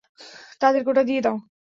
তাদেরকে ওটা দিয়ে দাও!